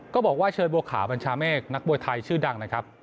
บอกว่าเชิญบัวขาวบัญชาเมฆนักมวยไทยชื่อดังนะครับ